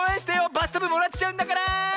バスタブもらっちゃうんだから！